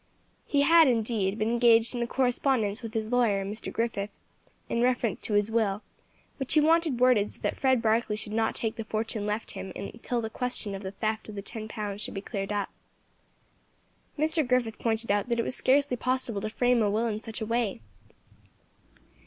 He had, indeed, been engaged in a correspondence with his lawyer, Mr. Griffith, in reference to his will, which he wanted worded so that Fred Barkley should not take the fortune left him until the question of the theft of the ten pounds should be cleared up. Mr. Griffith pointed out that it was scarcely possible to frame a will in such a way.